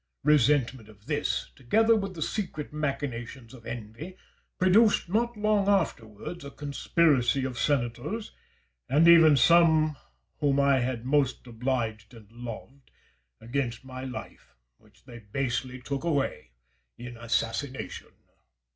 Resentment of this, together with the secret machinations of envy, produced not long afterwards a conspiracy of senators, and even of some whom I had most obliged and loved, against my life, which they basely took away by assassination.